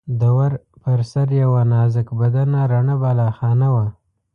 د ور پر سر یوه نازک بدنه رڼه بالاخانه وه.